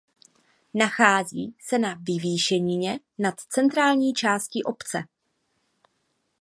Nachází se na vyvýšenině nad centrální částí obce.